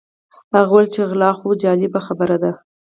هغه وویل چې غلا خو جالبه خبره ده.